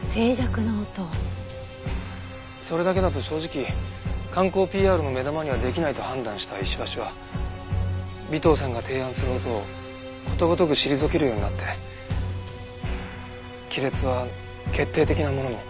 それだけだと正直観光ＰＲの目玉にはできないと判断した石橋は尾藤さんが提案する音をことごとく退けるようになって亀裂は決定的なものに。